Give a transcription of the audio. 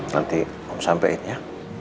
nanti om sampein ya